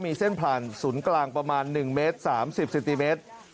มีเส้นผ่านศูนย์กลางประมาณ๑เมตร๓๐เซนติเมตร